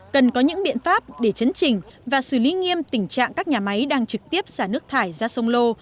cần có những biện pháp để chấn trình và xử lý nghiêm tình trạng các nhà máy đang trực tiếp xả nước thải ra sông lô